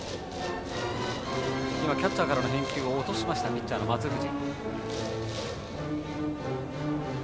キャッチャーからの返球を落としましたピッチャーの松藤。